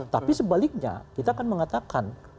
tapi sebaliknya kita akan mengatakan